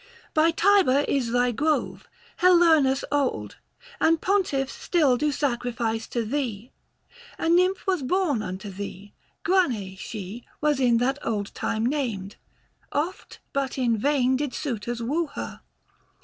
By Tiber is thy grove, Helernus old, 120 And pontiffs still do sacrifice to thee. A nymph was bom unto thee ; Grane she Was in that old time named; oft, but in vain, Did suitors woo her.